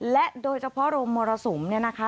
และโดยเฉพาะโรงมรสุมเนี่ยนะคะ